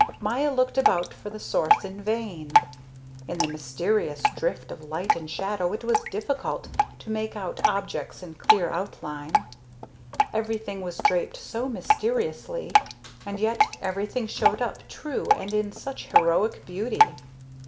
Maya looked about for the source, in vain; in the mysterious drift of light and shadow it was difficult to make out objects in clear outline, everything was draped so mysteriously; and yet everything showed up true and in such heroic beauty.